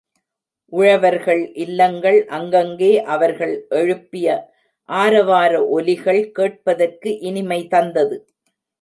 உழவர்கள் இல்லங்கள் அங்கங்கே அவர்கள் எழுப்பிய ஆரவார ஒலிகள் கேட்பதற்கு இனிமை தந்தது.